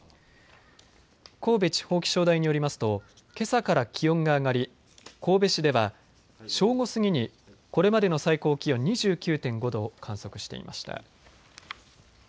神戸地方気象台によりますとけさから気温が上がり神戸市では正午過ぎにこれまでの最高気温２９．５度を観測していました。